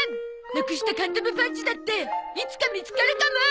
なくしたカンタムパンチだっていつか見つかるかも！